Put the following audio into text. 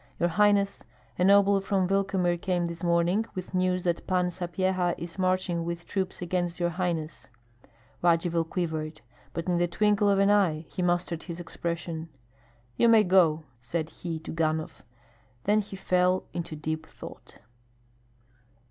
"Your highness, a noble from Vilkomir came this morning with news that Pan Sapyeha is marching with troops against your highness." Radzivill quivered, but in the twinkle of an eye he mastered his expression. "You may go," said he to Ganhoff. Then he fell into deep thought.